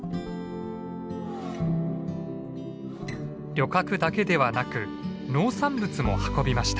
旅客だけではなく農産物も運びました。